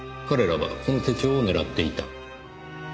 彼らはこの手帳を狙っていた。